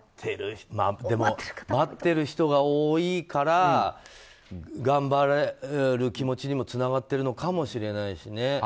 待っている人が多いから頑張れる気持にもつながっているのかもしれないしね。